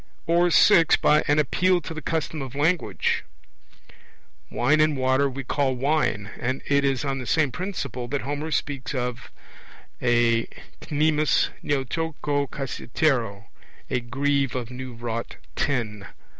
Or (6) by an appeal to the custom of language. Wine and water we call 'wine'; and it is on the same principle that Homer speaks of a knemis neoteuktou kassiteroio, a 'greave of new wrought tin.'